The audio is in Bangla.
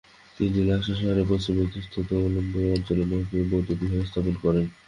তিনি লাসা শহরের পশ্চিমে স্তোদ-লুং অঞ্চলে ম্ত্শুর-ফু বৌদ্ধবিহার স্থাপন করেন।